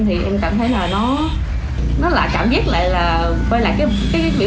thì em cảm thấy là nó lại cảm giác lại là quay lại cái biểu hiện trầm cảm đó nữa